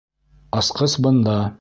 Асҡыс бында.